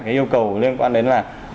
cái yêu cầu liên quan đến là